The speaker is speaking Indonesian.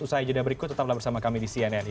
usai jeda berikut tetaplah bersama kami di cnn indonesia